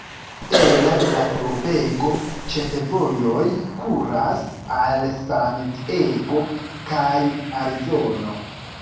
Ela la urbego ĉefvojoj kuras al San Diego kaj Arizono.